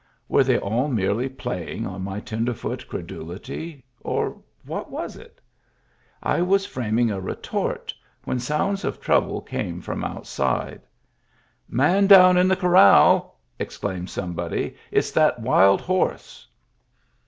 Were they all merely playing on my ten derfoot credulity, or what was it ? I was framing a retort when sounds of trouble came from outside. "Man down in the corral," exclaimed some body. " It's that wild horse."